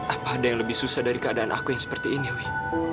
apa ada yang lebih susah dari keadaan aku yang seperti ini owi